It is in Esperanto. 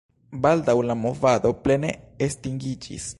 Baldaŭ la movado plene estingiĝis.